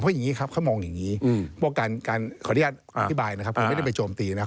เพราะอย่างนี้ครับเขามองอย่างนี้ว่าการขออนุญาตอธิบายนะครับผมไม่ได้ไปโจมตีนะครับ